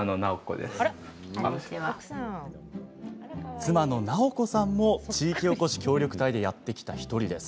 妻の直子さんも地域おこし協力隊でやって来た１人。